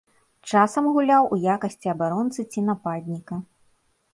Часам гуляў у якасці абаронцы ці нападніка.